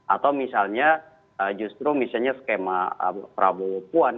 atau misalnya justru misalnya skema prabowo puan